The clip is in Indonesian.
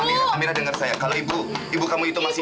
aminah dengar saya kalau ibu ibu kamu itu masih